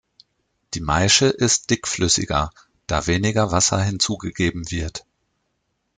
Die Maische ist dickflüssiger, da weniger Wasser hinzugegeben wird.